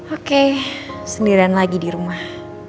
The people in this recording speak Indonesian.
oke sendirian lagi di rumah